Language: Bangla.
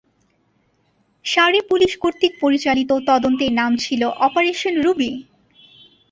সারে পুলিশ কর্তৃক পরিচালিত, তদন্তের নাম ছিল অপারেশন রুবি।